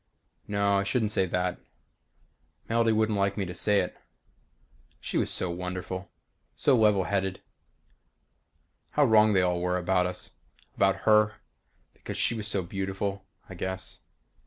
No I shouldn't say that. Melody wouldn't like me to say it. She was so wonderful so level headed. How wrong they all were about us. About her. Because she was so beautiful, I guess.